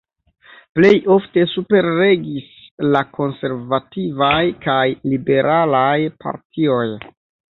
Plej ofte superregis la konservativaj kaj liberalaj partioj.